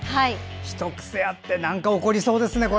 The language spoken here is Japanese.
一癖あって何か起こりそうですね。